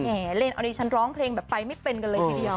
เล่นเอาดิฉันร้องเพลงแบบไปไม่เป็นกันเลยทีเดียว